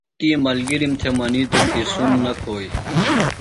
تی ملگِرِم تھےۡ منِیتوۡ کی سُم نہ کھوئی۔